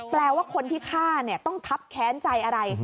แปลว่าคนที่ฆ่าต้องคับแค้นใจอะไร